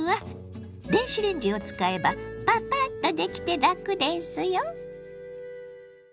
電子レンジを使えばパパッとできて楽ですよ。